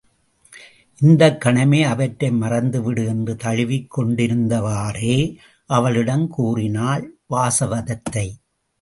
இந்தக் கணமே அவற்றை மறந்துவிடு என்று தழுவிக் கொண்டிருந்தவாறே அவளிடம் கூறினாள் வாசவதத்தை.